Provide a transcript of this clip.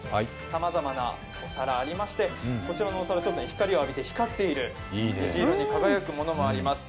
さまざまなお皿がありまして、こちらのお皿、光を浴びて光っているようなものもあります。